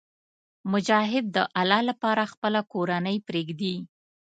مجاهد د الله لپاره خپله کورنۍ پرېږدي.